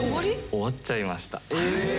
終わっちゃいました。